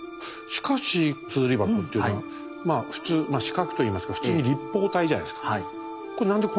しかし硯箱っていうのはまあ普通四角といいますか普通に立方体じゃないですか。